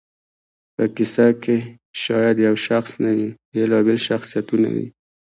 په کیسه کښي شاید یو شخص نه وي، بېلابېل شخصیتونه وي.